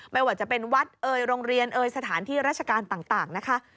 ไม่ว่าจะเป็นวัดเอ่ยโรงเรียนเอ่ยสถานที่ราชการต่างนะคะ